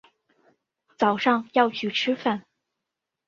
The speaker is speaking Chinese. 早上要去吃饭